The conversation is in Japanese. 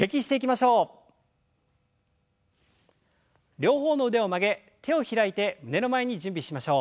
両方の腕を曲げ手を開いて胸の前に準備しましょう。